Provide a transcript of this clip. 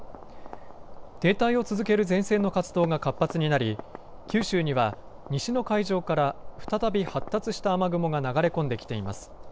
停滞を続ける前線の活動が活発になり九州には西の海上から再び発達した雨雲が流れ込んできています。